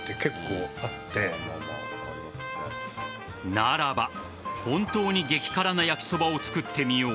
ならば、本当に激辛な焼きそばを作ってみよう。